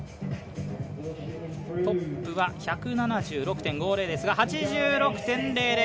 トップは１７６．５０ですが８６．００！